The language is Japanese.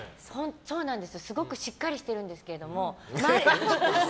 そうなんです、すごくしっかりしてるんですけども。